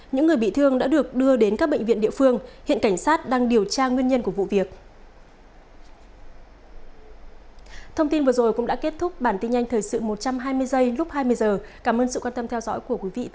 những người bị thương đã được đưa đến các bệnh viện địa phương hiện cảnh sát đang điều tra nguyên nhân của vụ việc